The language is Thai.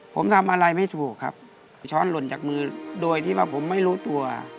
ผมทำอะไรไม่ถูกครับช้อนหล่นจากมือโดยที่ว่าผมไม่รู้ตัว